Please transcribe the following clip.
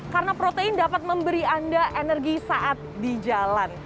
karena protein dapat memberi anda energi saat di jalan